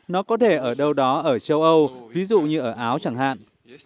nó có thể ở đâu đó ở châu âu ví dụ như ở áo chẳng hạn